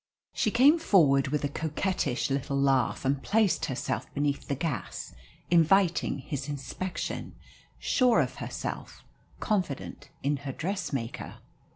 She came forward with a coquettish little laugh and placed herself beneath the gas, inviting his inspection, sure of herself, confident in her dressmaker.